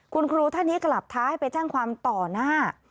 คุณครูท่านนี้กลับท้ายไปแจ้งความต่อหน้า